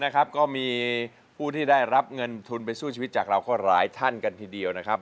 ก็มีผู้ที่ได้รับเงินทุนไปสู้ชีวิตจากเราก็หลายท่านกันทีเดียวนะครับ